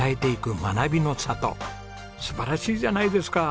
素晴らしいじゃないですか。